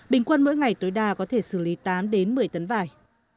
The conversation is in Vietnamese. bình quân mỗi ngày tối đa có thể xử lý tám đến một mươi tấn vải